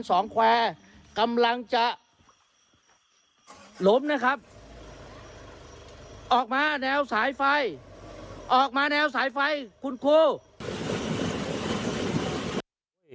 ออกมาแนวสายไฟออกมาแนวสายไฟคุณครู